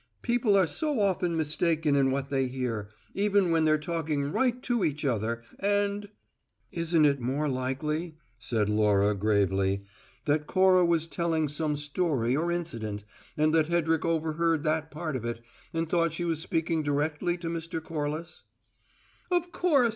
People are so often mistaken in what they hear, even when they're talking right to each other, and " "Isn't it more likely," said Laura, gravely, "that Cora was telling some story or incident, and that Hedrick overheard that part of it, and thought she was speaking directly to Mr. Corliss?" "Of course!"